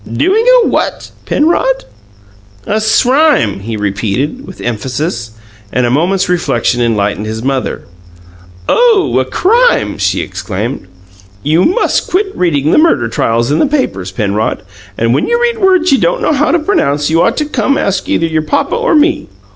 "Doing a what, Penrod?" "A SRIME!" he repeated, with emphasis; and a moment's reflection enlightened his mother. "Oh, a crime!" she exclaimed. "You MUST quit reading the murder trials in the newspapers, Penrod. And when you read words you don't know how to pronounce you ought to ask either your papa or me."